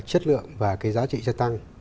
chất lượng và cái giá trị cho tăng